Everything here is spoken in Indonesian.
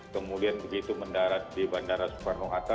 kemudian begitu mendarat di bandara soekarno hatta